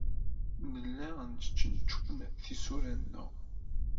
Nella nestcentcun tisura-nneɣ.